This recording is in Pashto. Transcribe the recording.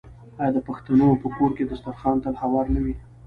آیا د پښتنو په کور کې دسترخان تل هوار نه وي؟